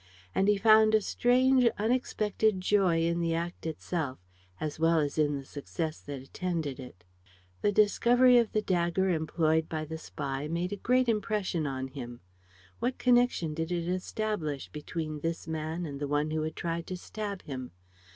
And he found a strange unexpected joy in the act itself as well as in the success that attended it. The discovery of the dagger employed by the spy made a great impression on him. What connection did it establish between this man and the one who had tried to stab him?